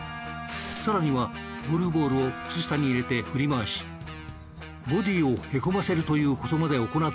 更にはゴルフボールを靴下に入れて振り回しボディをへこませるという事まで行っていたという。